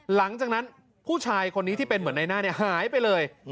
หลังจากนั้นผู้ชายคนนี้ที่เป็นเหมือนในหน้าหายไปเลย